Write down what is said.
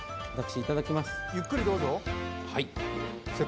いただきます。